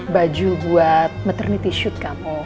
baju buat maternity shoot kamu